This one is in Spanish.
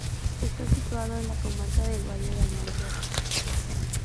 Está situado en la comarca del Valle del Almanzora.